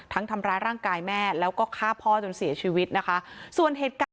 ทำร้ายร่างกายแม่แล้วก็ฆ่าพ่อจนเสียชีวิตนะคะส่วนเหตุการณ์